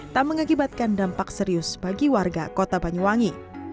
tak mengakibatkan dampak serius bagi warga kota banyuwangi